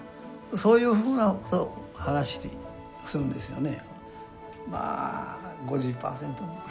そういうふうな話するんですよね。